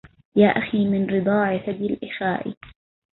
يا أخي من رضاع ثدي الإخاء